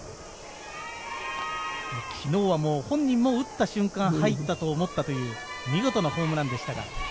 昨日は本人も打った瞬間入ったと思ったという見事なホームランでした。